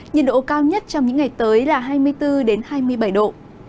nhiệt độ cao nhất trong những ngày tới là hai mươi bốn hai mươi bảy độ